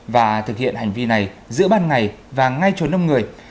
và thực hiện hành vi này giữa ban ngày và ngay trốn đông người